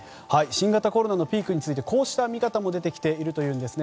新型コロナのピークについてこうした見方も出てきているというんです。